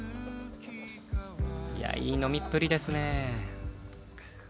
いやいい飲みっぷりですねえ。